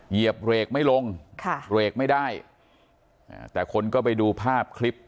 เหยียบเบรกไม่ลงค่ะเบรกไม่ได้อ่าแต่คนก็ไปดูภาพคลิป